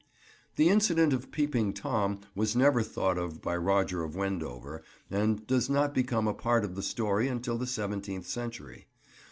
The incident of Peeping Tom was never thought of by Roger of Wendover, and does not become a part of the story until the seventeenth century.